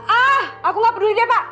ah aku gak peduli deh pak